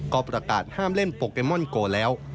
ก็ประกาศห้ามเล่นโปเกมอนโกแล้ว